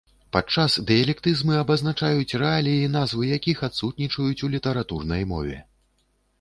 Падчас дыялектызмы абазначаюць рэаліі, назвы якіх адсутнічаюць у літаратурнай мове.